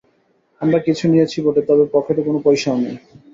আমরা কিছু নিয়েছি বটে তবে পকেটে কোনও পয়সা নেই।